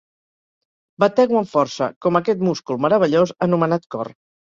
Batego amb força, com aquest múscul meravellós anomenat cor.